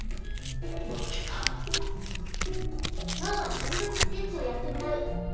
今日は人物スケッチをやってもらう。